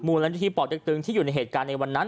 ละนิธิป่อเต็กตึงที่อยู่ในเหตุการณ์ในวันนั้น